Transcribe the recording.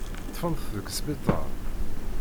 Ṭṭfen-t deg sbiṭar.